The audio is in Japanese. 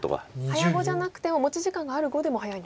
早碁じゃなくても持ち時間がある碁でも早いんですか。